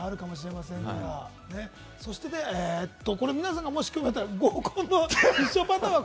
そして皆さんが興味あったら、合コンの必勝パターンは？